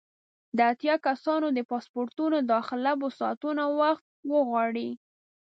د اتیا کسانو د پاسپورټونو داخله به ساعتونه وخت وغواړي.